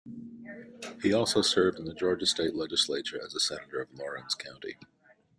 He also served in the Georgia state legislature as Senator of Laurens County.